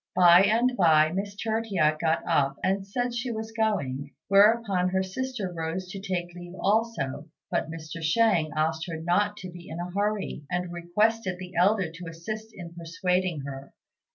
By and by Miss Tertia got up and said she was going, whereupon her sister rose to take leave also; but Mr. Shang asked her not to be in a hurry, and requested the elder to assist in persuading her.